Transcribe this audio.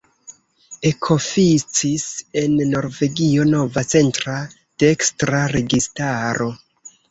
Ekoficis en Norvegio nova centra-dekstra registaro.